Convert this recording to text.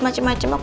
mas aku mau pulang